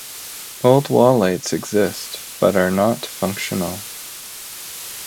Old wall lights exist but are not functional.